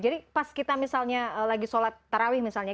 jadi pas kita misalnya lagi sholat tarawih misalnya